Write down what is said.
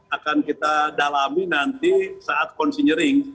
akan kita dalami nanti saat konsinyering